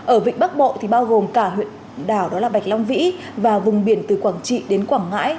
ở vịnh bắc bộ thì bao gồm cả huyện đảo đó là bạch long vĩ và vùng biển từ quảng trị đến quảng ngãi